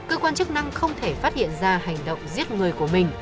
cơ quan chức năng không thể phát hiện ra hành động giết người của mình